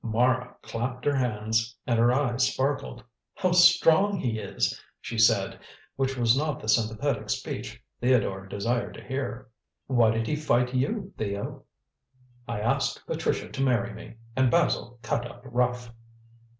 Mara clapped her hands and her eyes sparkled. "How strong he is!" she said, which was not the sympathetic speech Theodore desired to hear. "Why did he fight you, Theo?" "I asked Patricia to marry me and Basil cut up rough."